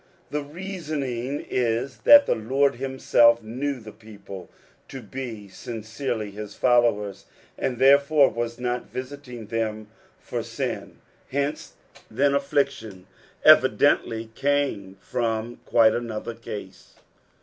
The reasoning is that the Lord hjm»etf knew the people to be sincerely his followers, and tOErefure was not visiting them for sin ; hence, then, affliction evidently came from quite anuthcr cause.